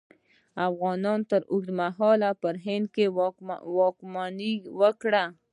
افغانانو تر اوږده مهال پر هند واکمني وکړه.